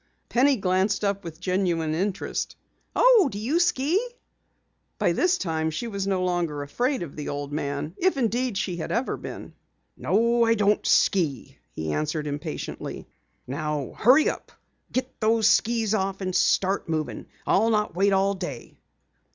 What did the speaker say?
Penny glanced up with genuine interest. "Oh, do you ski?" By this time she no longer was afraid of the old man, if indeed she had ever been. "No, I don't ski!" he answered impatiently. "Now hurry up! Get those skis off and start moving! I'll not wait all day."